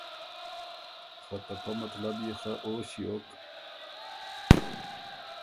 خه ته پۀ مطلب يې خه او ݭیوک